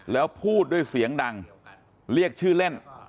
แล้วพูดด้วยเสียงดังเรียกชื่อเล่น